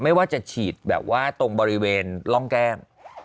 ไม่ว่าจะฉีดแบบว่าตรงบริเวณร่องแก้ม